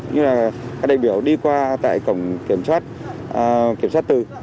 như là các đại biểu đi qua tại cổng kiểm soát kiểm soát từ